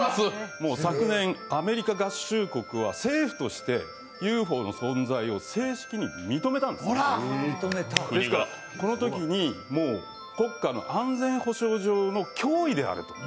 昨年、アメリカ合衆国は政府としてＵＦＯの存在を正式に認めたんですですからこのときに、もう国家の安全保障上の脅威であると。